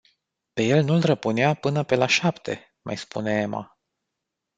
Pe el nu-l răpunea până pe la șapte, mai spune Ema.